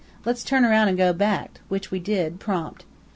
'Let's turn round and go back,' which we did, prompt.